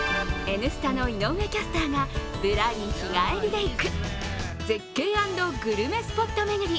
「Ｎスタ」の井上キャスターがぶらり日帰りで行く絶景＆グルメスポット巡り。